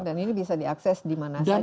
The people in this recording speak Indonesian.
dan ini bisa diakses dimana saja